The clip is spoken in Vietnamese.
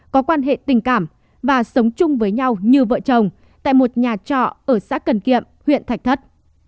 có quan hệ tình cảm và sống chung với nhau như vợ chồng tại một nhà trọ ở xã cần kiệm huyện thạch thất